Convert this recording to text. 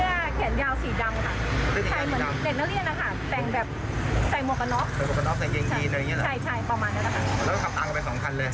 แล้วก็ขับตังค์ออกไป๒คันเลย